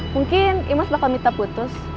mungkin imas bakal minta putus